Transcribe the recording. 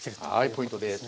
はいポイントです。